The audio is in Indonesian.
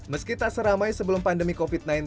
meski tak seramai sebelum pandemi covid sembilan belas